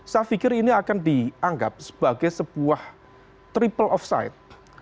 saya pikir ini akan dianggap sebagai sebuah triple offside